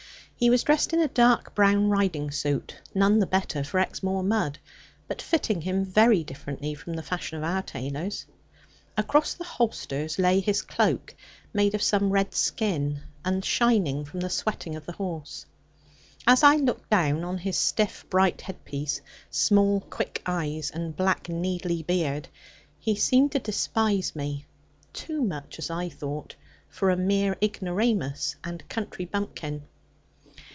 He was dressed in a dark brown riding suit, none the better for Exmoor mud, but fitting him very differently from the fashion of our tailors. Across the holsters lay his cloak, made of some red skin, and shining from the sweating of the horse. As I looked down on his stiff bright head piece, small quick eyes and black needly beard, he seemed to despise me (too much, as I thought) for a mere ignoramus and country bumpkin.